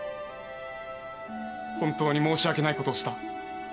本当に申し訳ないことをした。